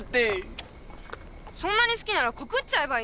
そんなに好きなら告っちゃえばいいのに。